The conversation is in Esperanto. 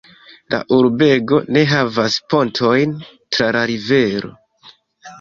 La urbego ne havas pontojn tra la rivero.